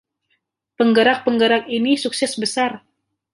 Penggerak-penggerak ini sukses besar.